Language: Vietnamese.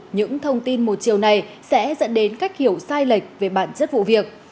những thông tin một chiều này sẽ dẫn đến cách hiểu sai lệch về bản chất vụ việc